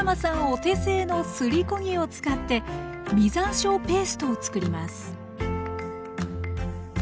お手製のすりこ木を使って実山椒ペーストを作ります